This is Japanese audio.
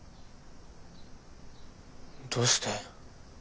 どうして？